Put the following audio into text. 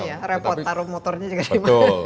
iya repot taruh motornya juga dimana